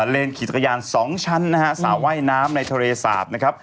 เล่นขี่จักรยาน๒ชั้นนะฮะสระว่ายน้ำในทะเลสาบนะครับ